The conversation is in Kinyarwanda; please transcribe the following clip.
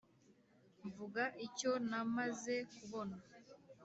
Mvuga icyo namaze kubona